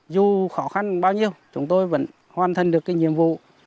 dù khó khăn bao nhiêu chúng tôi vẫn hoàn thành được cái nhiệm vụ